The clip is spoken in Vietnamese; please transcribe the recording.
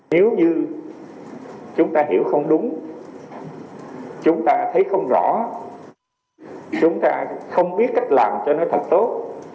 nếu như chúng ta hiểu không đúng chúng ta thấy không rõ chúng ta không biết cách làm cho nó thật tốt